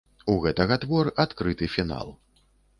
У гэтага твор адкрыты фінал.